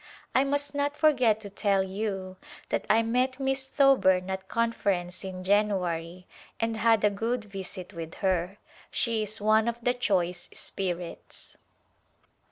I must not forget to tell you that I met Miss Thoburn at Conference in January and had a good visit with her. She is one of the choice spirits.